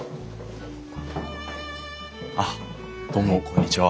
あっどうもこんにちは。